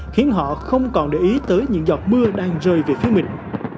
khiến họ không còn để ý tới những giọt mưa đang rơi về phía mình